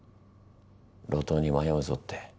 路頭に迷うぞって。